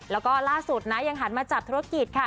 แล้วก็ล่าสุดนะยังหันมาจับธุรกิจค่ะ